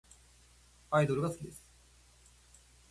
アイドルが好きです。